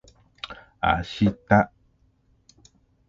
あした